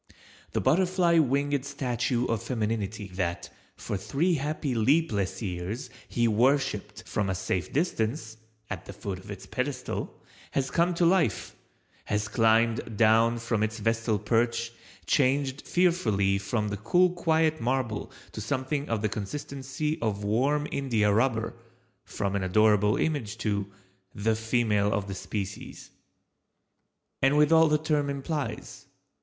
The butterfly winged statue of Femininity that, for three happy leapless years, he worshiped from a safe distance (at the foot of its pedestal), has come to life, has climbed down from its vestal perch, changed fearfully from cool quiet marble to something of the consistency of warm india rubber—from an adorable image to—the female of the species. And with all the term implies.